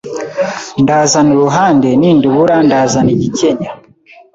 Ndazana uruhande nindubura ndazana igikenya